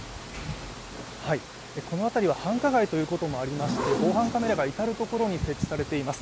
この辺りは繁華街ということもありまして防犯カメラが至る所に設置されています。